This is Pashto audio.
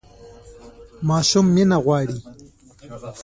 ماشوم مینه غواړي